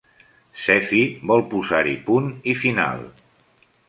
Sephie vol posar-hi punt i final.